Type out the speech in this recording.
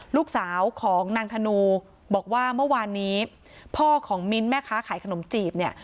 ลูกสาวของนางธนูบอกว่าเมื่อวานนี้พ่อของมิ้นท์แม่ค้าขายขนมจีบเนี่ย